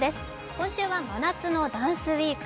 今週は真夏のダンスＷＥＥＫ。